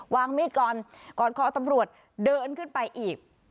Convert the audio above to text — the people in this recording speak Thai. วางมีดก่อนก่อนคอตำรวจเดินขึ้นไปอีก